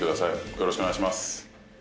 よろしくお願いします。